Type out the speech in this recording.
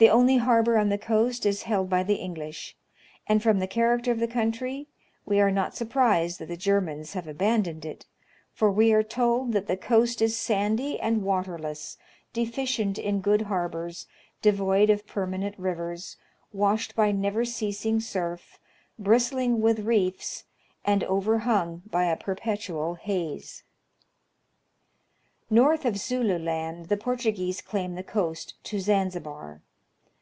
The only harbor on the coast is held by the English ; and, from the character of the country, we are not surprised that 108 National Geographic Magazine. the Germans have abandoned it, for we are told that " the coast is sandy and waterless, deficient in good harbors, devoid of permanent rivers, washed by never ceasing surf, bristling with reefs, and overhung by a perpetual haze." North of Zulu Land, the Portuguese claim the coast to Zan zibar.